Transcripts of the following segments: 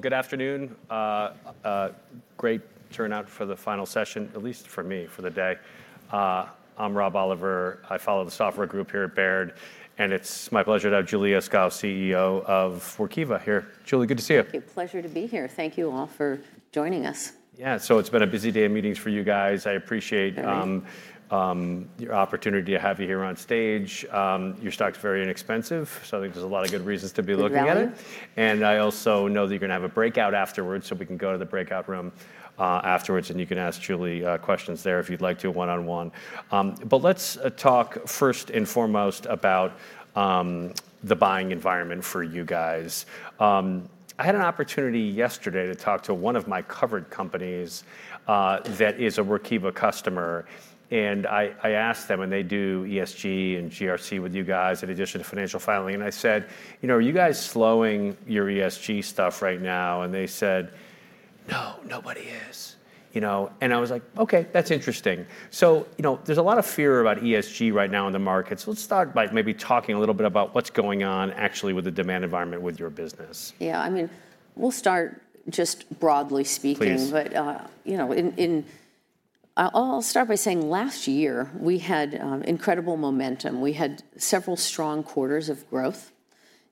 Good afternoon. Great turnout for the final session, at least for me, for the day. I'm Rob Oliver. I follow the software group here at Baird, and it's my pleasure to have Julie Iskow, CEO of Workiva here. Julie, good to see you. Thank you. Pleasure to be here. Thank you all for joining us. Yeah, so it's been a busy day of meetings for you guys. I appreciate your opportunity to have you here on stage. Your stock's very inexpensive, so I think there's a lot of good reasons to be looking at it. I agree. I also know that you're gonna have a breakout afterwards, so we can go to the breakout room afterwards, and you can ask Julie questions there if you'd like to, one-on-one. Let's talk first and foremost about the buying environment for you guys. I had an opportunity yesterday to talk to one of my covered companies that is a Workiva customer, and I asked them, and they do ESG and GRC with you guys in addition to financial filing, and I said, you know, are you guys slowing your ESG stuff right now? They said, no, nobody is, you know. I was like, okay, that's interesting. You know, there's a lot of fear about ESG right now in the market. Let's start by maybe talking a little bit about what's going on actually with the demand environment with your business. Yeah, I mean, we'll start just broadly speaking. Please. You know, I'll start by saying last year we had incredible momentum. We had several strong quarters of growth,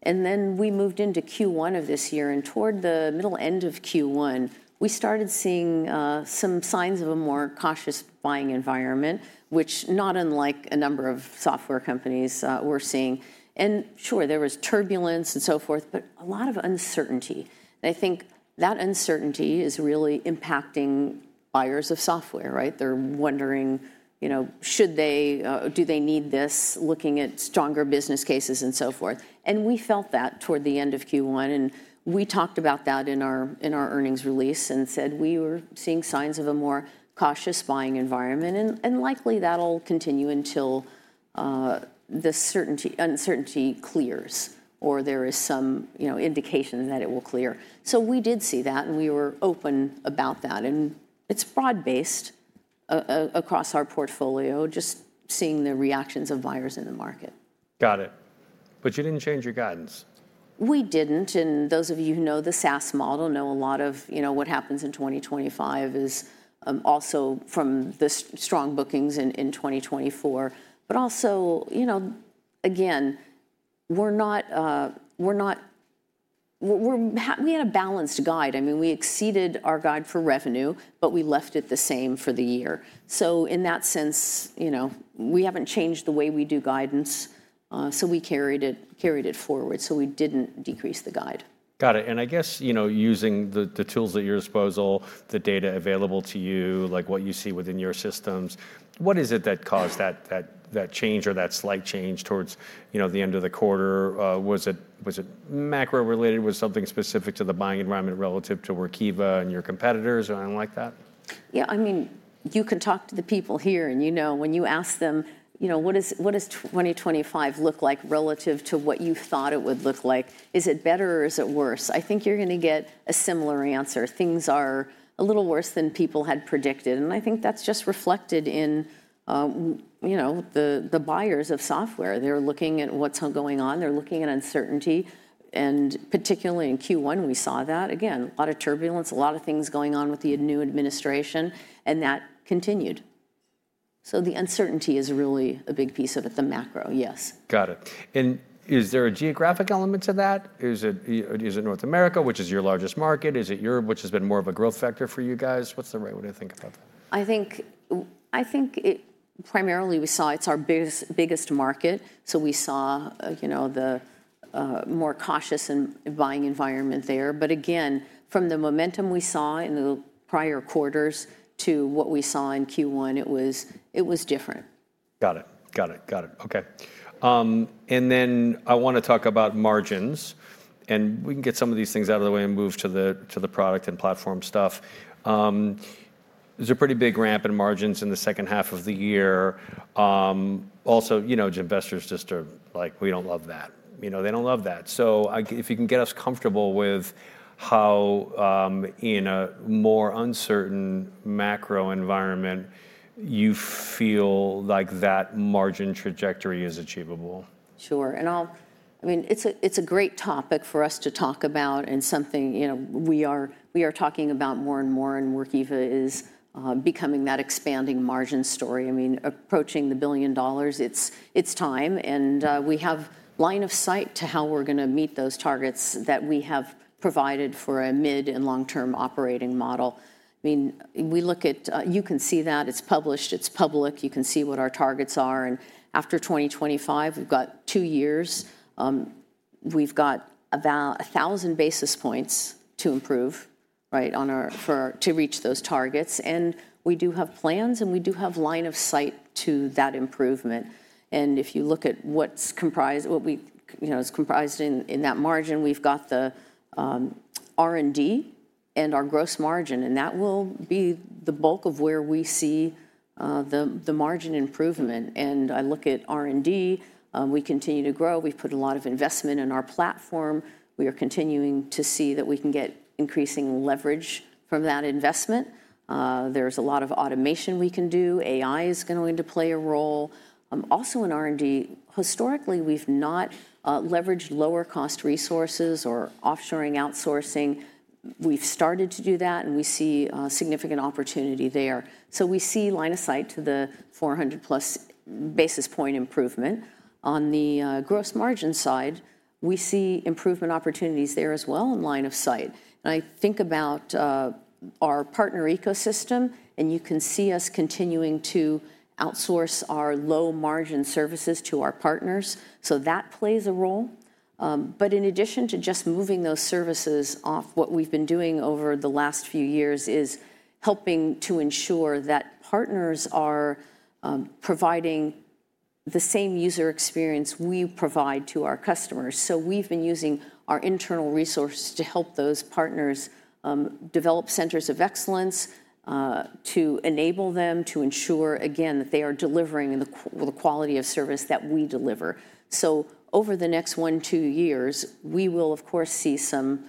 and then we moved into Q1 of this year, and toward the middle end of Q1, we started seeing some signs of a more cautious buying environment, which, not unlike a number of software companies, we're seeing. There was turbulence and so forth, but a lot of uncertainty. I think that uncertainty is really impacting buyers of software, right? They're wondering, you know, should they, do they need this, looking at stronger business cases and so forth. We felt that toward the end of Q1, and we talked about that in our earnings release and said we were seeing signs of a more cautious buying environment, and likely that'll continue until the certainty, uncertainty clears or there is some, you know, indication that it will clear. We did see that, and we were open about that, and it's broad-based, across our portfolio, just seeing the reactions of buyers in the market. Got it. You did not change your guidance. We didn't, and those of you who know the SaaS model know a lot of, you know, what happens in 2025 is, also from the strong bookings in, in 2024. But also, you know, again, we're not, we're not, we're, we had a balanced guide. I mean, we exceeded our guide for revenue, but we left it the same for the year. In that sense, you know, we haven't changed the way we do guidance, so we carried it, carried it forward. We didn't decrease the guide. Got it. I guess, you know, using the tools at your disposal, the data available to you, like what you see within your systems, what is it that caused that change or that slight change towards, you know, the end of the quarter? Was it macro-related? Was something specific to the buying environment relative to Workiva and your competitors or anything like that? Yeah, I mean, you can talk to the people here, and you know, when you ask them, you know, what does, what does 2025 look like relative to what you thought it would look like? Is it better or is it worse? I think you're gonna get a similar answer. Things are a little worse than people had predicted, and I think that's just reflected in, you know, the buyers of software. They're looking at what's going on. They're looking at uncertainty, and particularly in Q1, we saw that. Again, a lot of turbulence, a lot of things going on with the new administration, and that continued. The uncertainty is really a big piece of it, the macro, yes. Got it. Is there a geographic element to that? Is it North America, which is your largest market? Is it Europe, which has been more of a growth factor for you guys? What's the right way to think about that? I think it primarily we saw it's our biggest market, so we saw, you know, the more cautious and buying environment there. Again, from the momentum we saw in the prior quarters to what we saw in Q1, it was different. Got it. Got it. Got it. Okay. And then I wanna talk about margins, and we can get some of these things out of the way and move to the, to the product and platform stuff. There's a pretty big ramp in margins in the second half of the year. Also, you know, investors just are like, we don't love that. You know, they don't love that. So I, if you can get us comfortable with how, in a more uncertain macro environment, you feel like that margin trajectory is achievable. Sure. I mean, it's a great topic for us to talk about and something, you know, we are talking about more and more, and Workiva is becoming that expanding margin story. I mean, approaching the billion dollars, it's time, and we have line of sight to how we're gonna meet those targets that we have provided for a mid and long-term operating model. I mean, we look at, you can see that. It's published. It's public. You can see what our targets are. After 2025, we've got 2 years. We've got about 1,000 basis points to improve, right, on our, for our, to reach those targets. We do have plans, and we do have line of sight to that improvement. If you look at what's comprised, what we, you know, is comprised in that margin, we've got the R&D and our gross margin, and that will be the bulk of where we see the margin improvement. I look at R&D, we continue to grow. We've put a lot of investment in our platform. We are continuing to see that we can get increasing leverage from that investment. There's a lot of automation we can do. AI is going to play a role. Also in R&D, historically, we've not leveraged lower-cost resources or offshoring, outsourcing. We've started to do that, and we see significant opportunity there. We see line of sight to the 400-plus basis point improvement. On the gross margin side, we see improvement opportunities there as well in line of sight. I think about our partner ecosystem, and you can see us continuing to outsource our low-margin services to our partners. That plays a role. In addition to just moving those services off, what we have been doing over the last few years is helping to ensure that partners are providing the same user experience we provide to our customers. We have been using our internal resources to help those partners develop centers of excellence to enable them to ensure, again, that they are delivering the quality of service that we deliver. Over the next one to two years, we will, of course, see some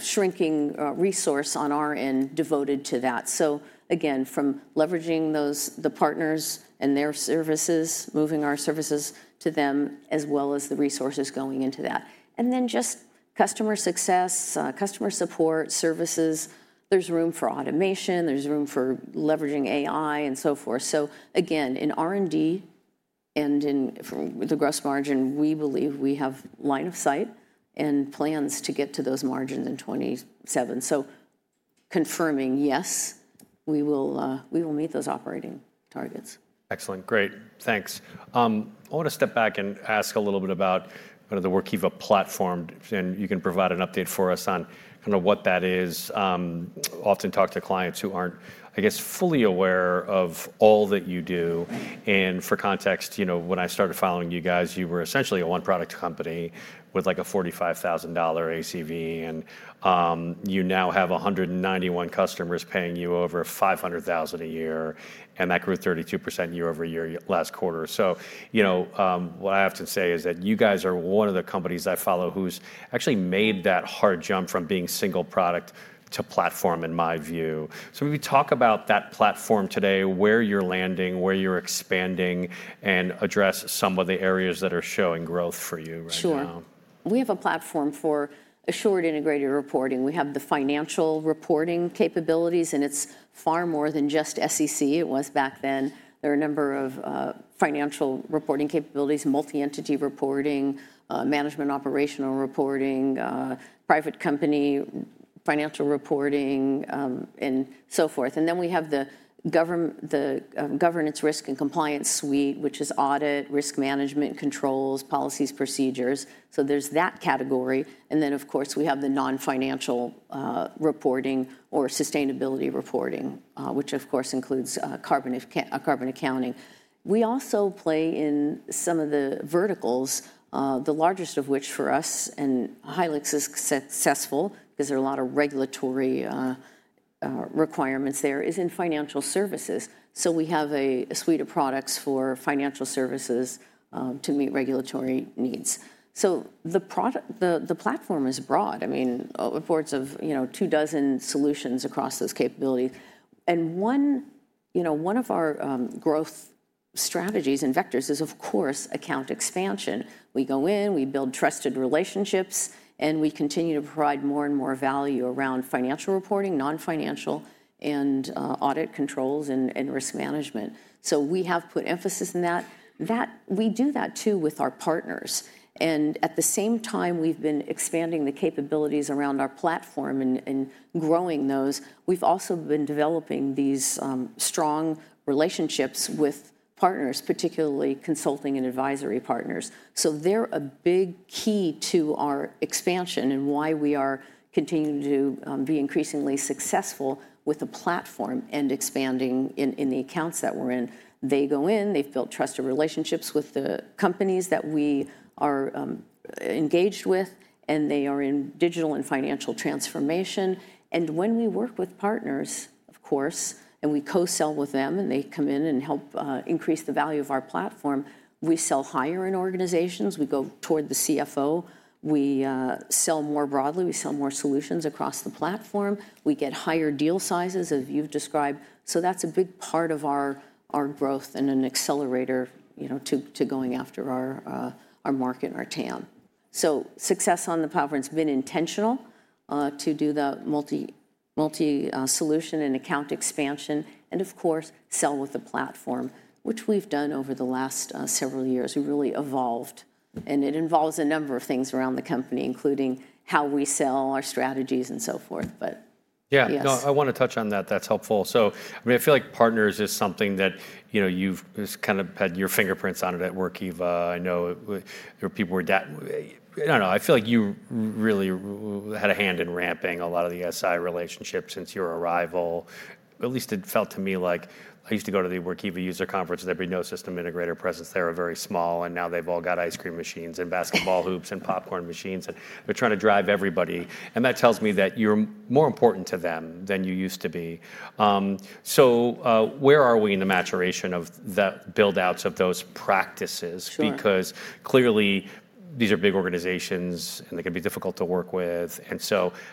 shrinking resource on our end devoted to that. Again, from leveraging those partners and their services, moving our services to them, as well as the resources going into that. Then just customer success, customer support services. There's room for automation. There's room for leveraging AI and so forth. Again, in R&D and in the gross margin, we believe we have line of sight and plans to get to those margins in 2027. Confirming, yes, we will, we will meet those operating targets. Excellent. Great. Thanks. I wanna step back and ask a little bit about kind of the Workiva platform, and you can provide an update for us on kind of what that is. I often talk to clients who aren't, I guess, fully aware of all that you do. And for context, you know, when I started following you guys, you were essentially a one-product company with like a $45,000 ACV, and you now have 191 customers paying you over $500,000 a year, and that grew 32% year over year last quarter. You know, what I often say is that you guys are one of the companies I follow who's actually made that hard jump from being single product to platform, in my view. Maybe talk about that platform today, where you're landing, where you're expanding, and address some of the areas that are showing growth for you right now. Sure. We have a platform for assured integrated reporting. We have the financial reporting capabilities, and it is far more than just SEC. It was back then. There are a number of financial reporting capabilities, multi-entity reporting, management operational reporting, private company financial reporting, and so forth. We have the governance, risk and compliance suite, which is audit, risk management, controls, policies, procedures. There is that category. Of course, we have the non-financial reporting or sustainability reporting, which of course includes carbon accounting. We also play in some of the verticals, the largest of which for us, and highly successful because there are a lot of regulatory requirements there, is in financial services. We have a suite of products for financial services to meet regulatory needs. The platform is broad. I mean, reports of, you know, two dozen solutions across those capabilities. One, you know, one of our growth strategies and vectors is, of course, account expansion. We go in, we build trusted relationships, and we continue to provide more and more value around financial reporting, non-financial, and audit controls and risk management. We have put emphasis in that. We do that too with our partners. At the same time, we have been expanding the capabilities around our platform and growing those. We have also been developing these strong relationships with partners, particularly consulting and advisory partners. They are a big key to our expansion and why we are continuing to be increasingly successful with the platform and expanding in the accounts that we are in. They go in, they've built trusted relationships with the companies that we are engaged with, and they are in digital and financial transformation. When we work with partners, of course, and we co-sell with them, and they come in and help increase the value of our platform, we sell higher in organizations. We go toward the CFO. We sell more broadly. We sell more solutions across the platform. We get higher deal sizes, as you've described. That's a big part of our growth and an accelerator, you know, to going after our market, our TAM. Success on the platform has been intentional, to do the multi, multi, solution and account expansion and, of course, sell with the platform, which we've done over the last several years. We really evolved, and it involves a number of things around the company, including how we sell, our strategies, and so forth. Yes. Yeah. No, I wanna touch on that. That's helpful. I mean, I feel like partners is something that, you know, you've just kind of had your fingerprints on it at Workiva. I know there were people who were that, I don't know. I feel like you really had a hand in ramping a lot of the SI relationships since your arrival. At least it felt to me like I used to go to the Workiva user conferences. There'd be no system integrator presence there. Very small. Now they've all got ice cream machines and basketball hoops and popcorn machines, and they're trying to drive everybody. That tells me that you're more important to them than you used to be. Where are we in the maturation of the buildouts of those practices? Because clearly these are big organizations, and they can be difficult to work with.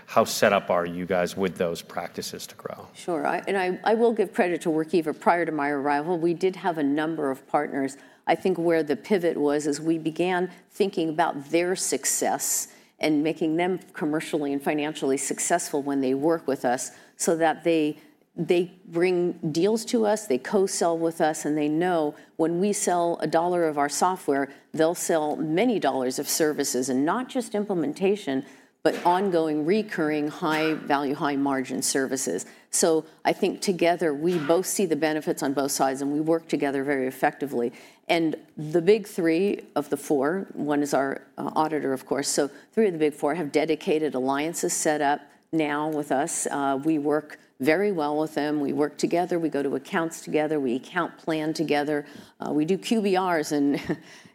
How set up are you guys with those practices to grow? Sure. I will give credit to Workiva prior to my arrival. We did have a number of partners. I think where the pivot was is we began thinking about their success and making them commercially and financially successful when they work with us so that they bring deals to us, they co-sell with us, and they know when we sell a dollar of our software, they'll sell many dollars of services and not just implementation, but ongoing recurring high-value, high-margin services. I think together we both see the benefits on both sides, and we work together very effectively. The big three of the four, one is our auditor, of course. 3 of the big 4 have dedicated alliances set up now with us. We work very well with them. We work together. We go to accounts together. We account plan together. We do QBRs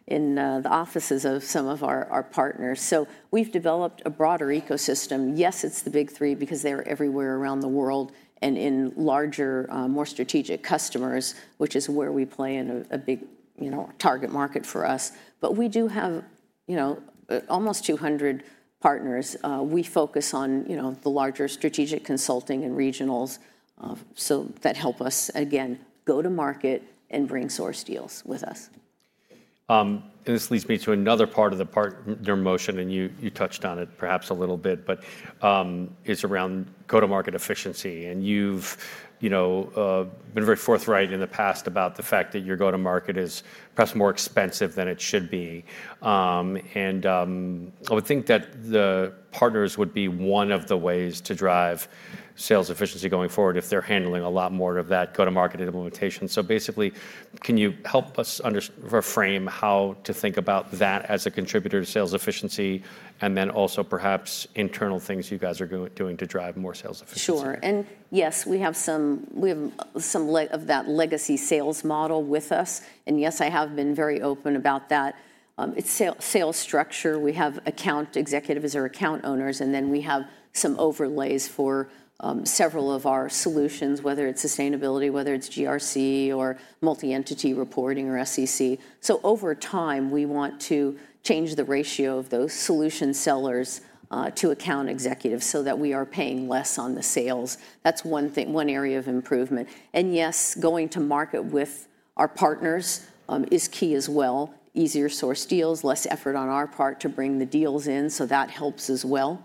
in the offices of some of our partners. So we have developed a broader ecosystem. Yes, it is the big three because they are everywhere around the world and in larger, more strategic customers, which is where we play in a big, you know, target market for us. We do have, you know, almost 200 partners. We focus on, you know, the larger strategic consulting and regionals that help us, again, go to market and bring source deals with us. This leads me to another part of the partner motion, and you touched on it perhaps a little bit, but is around go-to-market efficiency. You know, you've been very forthright in the past about the fact that your go-to-market is perhaps more expensive than it should be. I would think that the partners would be one of the ways to drive sales efficiency going forward if they're handling a lot more of that go-to-market implementation. Basically, can you help us understand or frame how to think about that as a contributor to sales efficiency and then also perhaps internal things you guys are doing to drive more sales efficiency? Sure. Yes, we have some leg of that legacy sales model with us. Yes, I have been very open about that. It's sale structure. We have account executives or account owners, and then we have some overlays for several of our solutions, whether it's sustainability, whether it's GRC or multi-entity reporting or SEC. Over time, we want to change the ratio of those solution sellers to account executives so that we are paying less on the sales. That's one thing, one area of improvement. Yes, going to market with our partners is key as well. Easier source deals, less effort on our part to bring the deals in. That helps as well.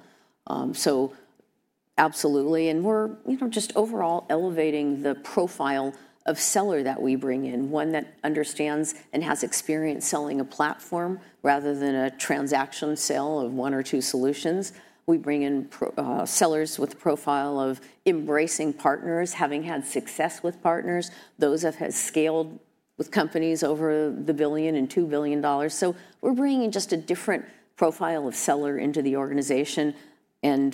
Absolutely. We're, you know, just overall elevating the profile of seller that we bring in, one that understands and has experience selling a platform rather than a transaction sale of 1 or 2 solutions. We bring in pro sellers with a profile of embracing partners, having had success with partners, those that have scaled with companies over the $1 billion and $2 billion. We're bringing in just a different profile of seller into the organization.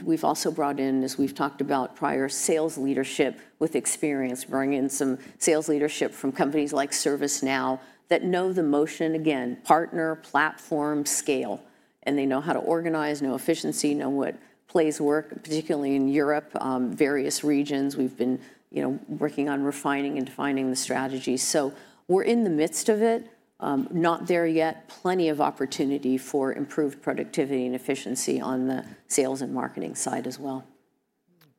We've also brought in, as we've talked about prior, sales leadership with experience, bringing in some sales leadership from companies like ServiceNow that know the motion, again, partner, platform, scale, and they know how to organize, know efficiency, know what plays work, particularly in Europe, various regions. We've been, you know, working on refining and defining the strategy. We're in the midst of it, not there yet. Plenty of opportunity for improved productivity and efficiency on the sales and marketing side as well.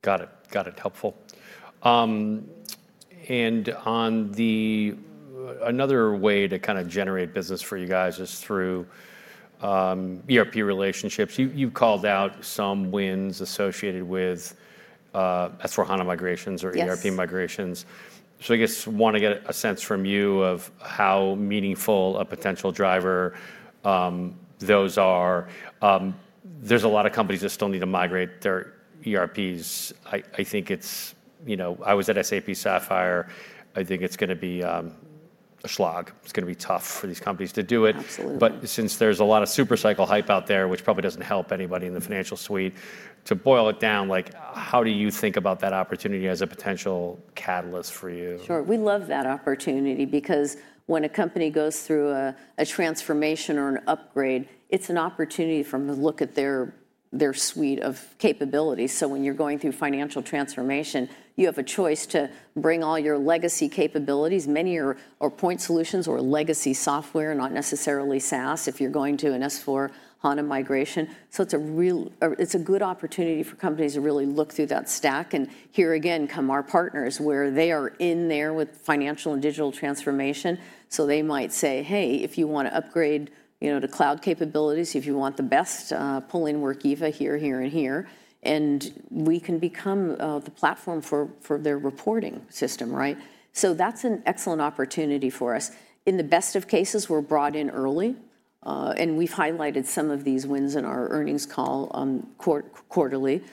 Got it. Got it. Helpful. And on the, another way to kind of generate business for you guys is through ERP relationships. You, you've called out some wins associated with S/4HANA migrations or ERP migrations. So I guess wanna get a sense from you of how meaningful a potential driver those are. There's a lot of companies that still need to migrate their ERPs. I, I think it's, you know, I was at SAP Sapphire. I think it's gonna be a slog. It's gonna be tough for these companies to do it. Absolutely. Since there's a lot of supercycle hype out there, which probably doesn't help anybody in the financial suite, to boil it down, like, how do you think about that opportunity as a potential catalyst for you? Sure. We love that opportunity because when a company goes through a transformation or an upgrade, it's an opportunity for them to look at their suite of capabilities. When you're going through financial transformation, you have a choice to bring all your legacy capabilities—many are point solutions or legacy software, not necessarily SaaS—if you're going to an S/4HANA migration. It's a real, good opportunity for companies to really look through that stack. Here again come our partners, where they are in there with financial and digital transformation. They might say, "Hey, if you want to upgrade, you know, to cloud capabilities, if you want the best, pulling Workiva here, here, and here, and we can become the platform for their reporting system," right? That's an excellent opportunity for us. In the best of cases, we're brought in early, and we've highlighted some of these wins in our earnings call, quarterly.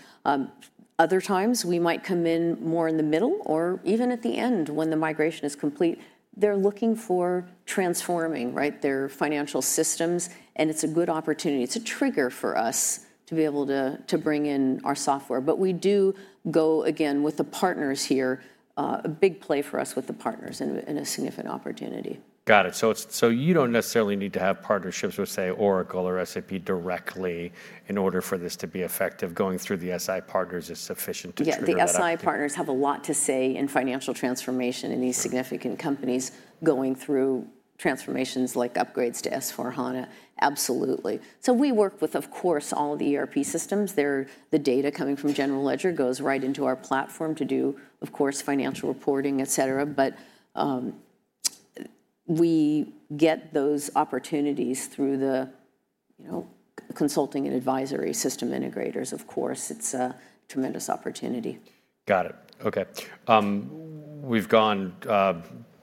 Other times we might come in more in the middle or even at the end when the migration is complete. They're looking for transforming, right, their financial systems, and it's a good opportunity. It's a trigger for us to be able to bring in our software. We do go again with the partners here, a big play for us with the partners and a significant opportunity. Got it. So you don't necessarily need to have partnerships with, say, Oracle or SAP directly in order for this to be effective. Going through the SI partners is sufficient to trigger that. Yeah. The SI partners have a lot to say in financial transformation in these significant companies going through transformations like upgrades to S/4HANA. Absolutely. We work with, of course, all the ERP systems. The data coming from General Ledger goes right into our platform to do, of course, financial reporting, et cetera. We get those opportunities through the, you know, consulting and advisory system integrators, of course. It is a tremendous opportunity. Got it. Okay. We've gone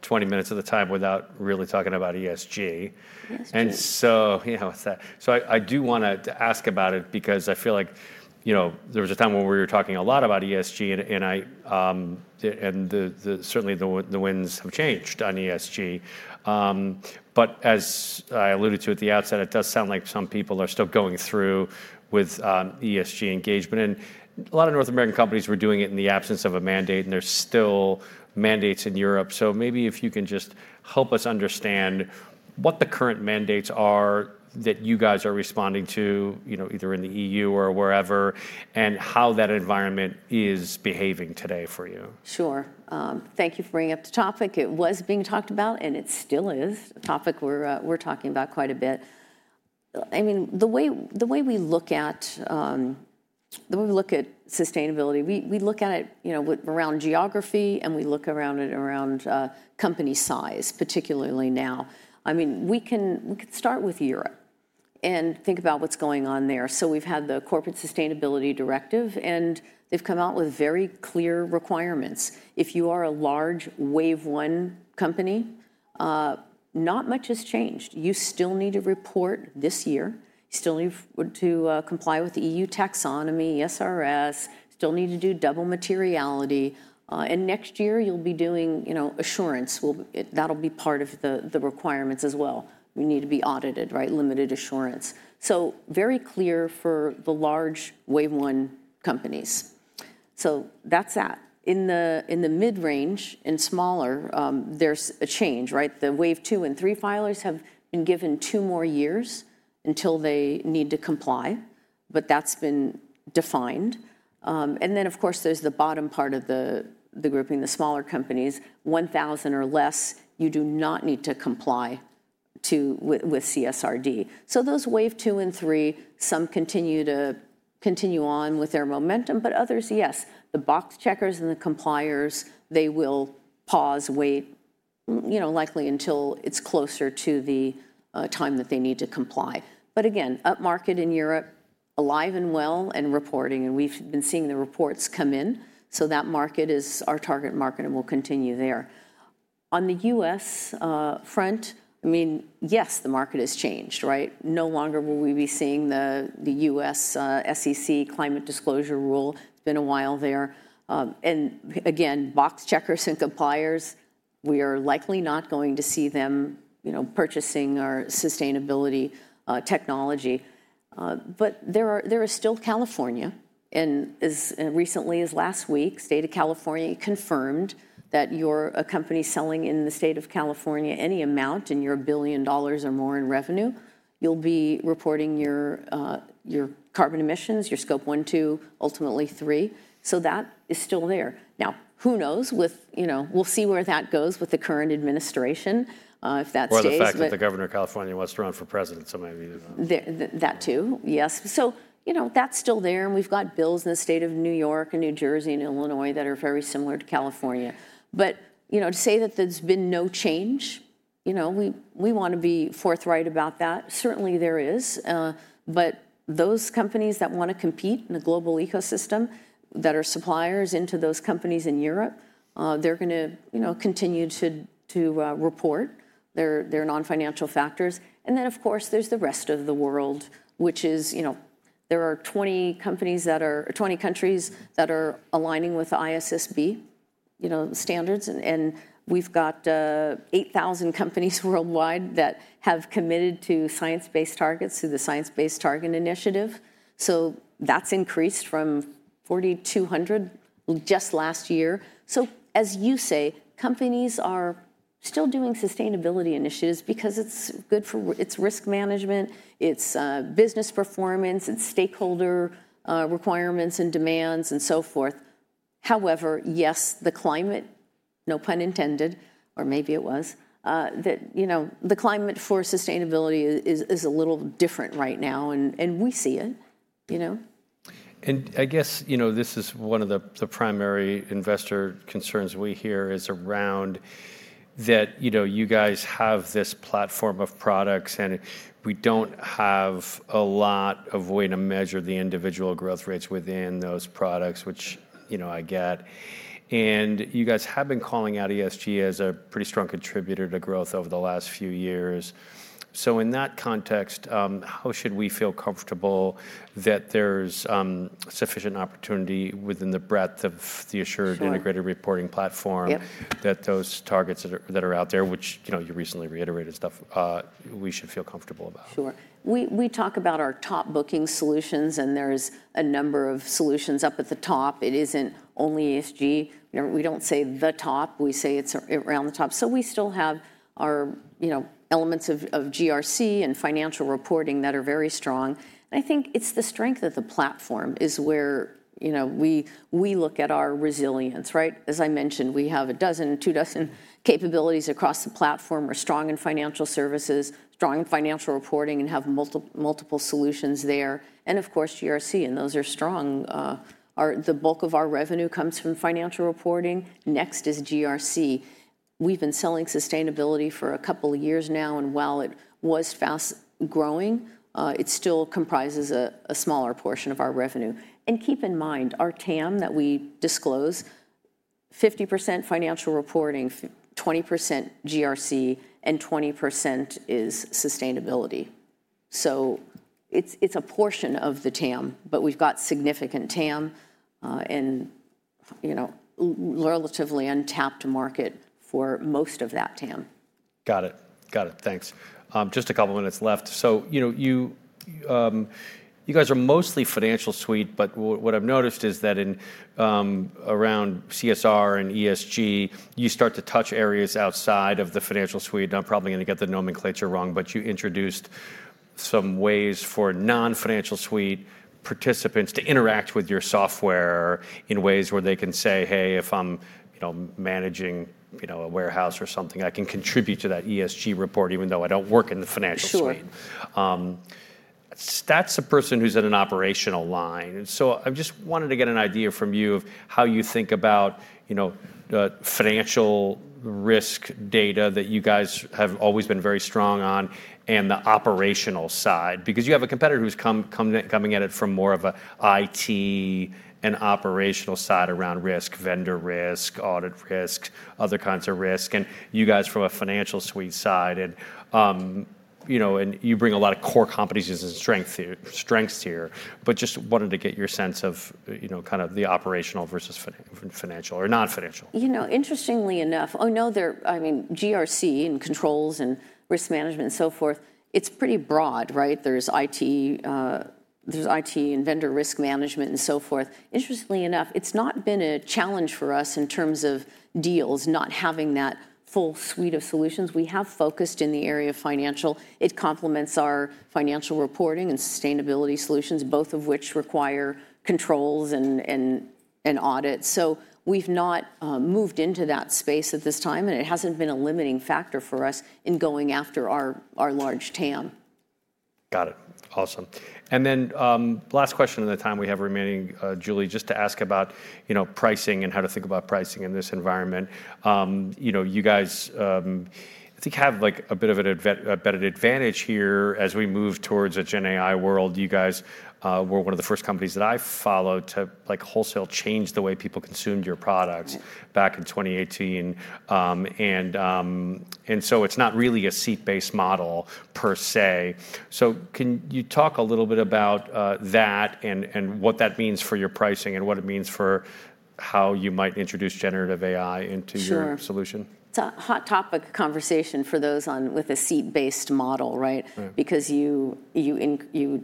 20 minutes of the time without really talking about ESG. Yes. And so, you know, it's that. I do wanna ask about it because I feel like, you know, there was a time when we were talking a lot about ESG and I, and certainly the wins have changed on ESG. As I alluded to at the outset, it does sound like some people are still going through with ESG engagement. A lot of North American companies were doing it in the absence of a mandate, and there are still mandates in Europe. Maybe if you can just help us understand what the current mandates are that you guys are responding to, you know, either in the EU or wherever, and how that environment is behaving today for you. Sure. Thank you for bringing up the topic. It was being talked about, and it still is a topic we're talking about quite a bit. I mean, the way we look at sustainability, we look at it, you know, with around geography, and we look at it around company size, particularly now. I mean, we can start with Europe and think about what's going on there. We've had the Corporate Sustainability Directive, and they've come out with very clear requirements. If you are a large wave one company, not much has changed. You still need to report this year. You still need to comply with the EU taxonomy, SRS, still need to do double materiality. Next year you'll be doing, you know, assurance will, that'll be part of the requirements as well. We need to be audited, right? Limited assurance. Very clear for the large wave one companies. That is that. In the mid-range and smaller, there is a change, right? The wave two and three filers have been given two more years until they need to comply, but that has been defined. Of course, there is the bottom part of the grouping, the smaller companies, 1,000 or less, you do not need to comply with CSRD. Those wave 2 and 3, some continue on with their momentum, but others, yes, the box checkers and the compliers, they will pause, wait, you know, likely until it is closer to the time that they need to comply. Again, up market in Europe, alive and well and reporting, and we have been seeing the reports come in. That market is our target market and we'll continue there. On the U.S. front, I mean, yes, the market has changed, right? No longer will we be seeing the U.S. SEC climate disclosure rule. It's been a while there. And again, box checkers and compliers, we are likely not going to see them, you know, purchasing our sustainability technology. But there is still California, and as recently as last week, state of California confirmed that if you're a company selling in the state of California any amount and you're a billion dollars or more in revenue, you'll be reporting your carbon emissions, your scope 1, 2, ultimately 3. That is still there. Now, who knows with, you know, we'll see where that goes with the current administration, if that stays the same. What effect that the governor of California wants to run for president, somebody needed to know. That too. Yes. You know, that's still there. We've got bills in the state of New York and New Jersey and Illinois that are very similar to California. You know, to say that there's been no change, we wanna be forthright about that. Certainly there is, but those companies that wanna compete in the global ecosystem that are suppliers into those companies in Europe, they're gonna, you know, continue to report their non-financial factors. Of course there's the rest of the world, which is, you know, there are 20 countries that are aligning with ISSB standards. We've got 8,000 companies worldwide that have committed to science-based targets through the Science Based Targets Initiative. That's increased from 4,200 just last year. As you say, companies are still doing sustainability initiatives because it's good for, it's risk management, it's business performance, it's stakeholder requirements and demands and so forth. However, yes, the climate, no pun intended, or maybe it was, that, you know, the climate for sustainability is a little different right now. And we see it, you know. I guess, you know, this is one of the primary investor concerns we hear is around that, you know, you guys have this platform of products and we do not have a lot of way to measure the individual growth rates within those products, which, you know, I get. You guys have been calling out ESG as a pretty strong contributor to growth over the last few years. In that context, how should we feel comfortable that there is sufficient opportunity within the breadth of the assured integrated reporting platform? Yep. That those targets that are out there, which, you know, you recently reiterated, we should feel comfortable about. Sure. We talk about our top booking solutions and there's a number of solutions up at the top. It isn't only ESG. We don't say the top, we say it's around the top. We still have our, you know, elements of GRC and financial reporting that are very strong. I think it's the strength of the platform is where, you know, we look at our resilience, right? As I mentioned, we have a dozen, two dozen capabilities across the platform. We're strong in financial services, strong in financial reporting, and have multiple, multiple solutions there. Of course, GRC, and those are strong. The bulk of our revenue comes from financial reporting. Next is GRC. We've been selling sustainability for a couple of years now, and while it was fast growing, it still comprises a smaller portion of our revenue. Keep in mind our TAM that we disclose, 50% financial reporting, 20% GRC, and 20% is sustainability. It is a portion of the TAM, but we have significant TAM, and, you know, relatively untapped market for most of that TAM. Got it. Got it. Thanks. Just a couple minutes left. You know, you guys are mostly financial suite, but what I've noticed is that in, around CSR and ESG, you start to touch areas outside of the financial suite. I'm probably gonna get the nomenclature wrong, but you introduced some ways for non-financial suite participants to interact with your software in ways where they can say, "Hey, if I'm, you know, managing, you know, a warehouse or something, I can contribute to that ESG report even though I don't work in the financial suite. Sure. That's a person who's in an operational line. I just wanted to get an idea from you of how you think about, you know, the financial risk data that you guys have always been very strong on and the operational side, because you have a competitor who's coming at it from more of an IT and operational side around risk, vendor risk, audit risk, other kinds of risk, and you guys from a financial suite side. You bring a lot of core companies as strengths here, but just wanted to get your sense of, you know, kind of the operational versus financial or non-financial. You know, interestingly enough, oh no, there, I mean, GRC and controls and risk management and so forth, it's pretty broad, right? There's IT, there's IT and vendor risk management and so forth. Interestingly enough, it's not been a challenge for us in terms of deals, not having that full suite of solutions. We have focused in the area of financial. It complements our financial reporting and sustainability solutions, both of which require controls and, and audits. So we've not moved into that space at this time, and it hasn't been a limiting factor for us in going after our, our large TAM. Got it. Awesome. And then, last question in the time we have remaining, Julie, just to ask about, you know, pricing and how to think about pricing in this environment. You know, you guys, I think have like a bit of an advantage here as we move towards a Gen AI world. You guys were one of the first companies that I followed to like wholesale change the way people consumed your products back in 2018, and, and so it's not really a seat-based model per se. So can you talk a little bit about that and, and what that means for your pricing and what it means for how you might introduce generative AI into your solution? Sure. It's a hot topic conversation for those on with a seat-based model, right? Because you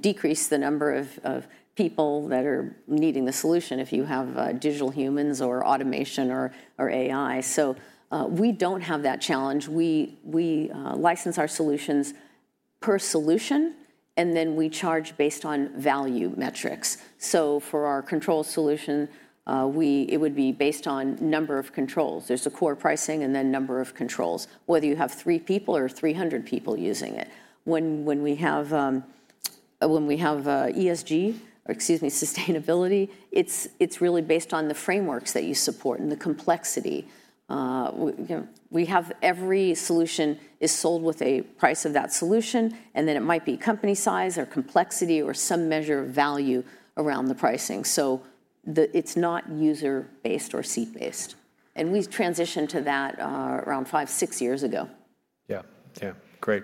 decrease the number of people that are needing the solution if you have digital humans or automation or AI. We don't have that challenge. We license our solutions per solution, and then we charge based on value metrics. For our control solution, it would be based on number of controls. There's a core pricing and then number of controls, whether you have three people or 300 people using it. When we have ESG, or excuse me, sustainability, it's really based on the frameworks that you support and the complexity. You know, we have every solution is sold with a price of that solution, and then it might be company size or complexity or some measure of value around the pricing. It's not user-based or seat-based. And we've transitioned to that, around five, six years ago. Yeah. Yeah. Great.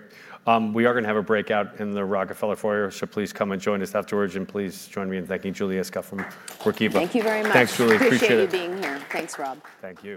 We are gonna have a breakout in the Rockefeller Foyer, so please come and join us afterwards. And please join me in thanking Julie Iskow from Workiva. Thank you very much. Thanks, Julie. Appreciate it. Appreciate you being here. Thanks, Rob. Thank you.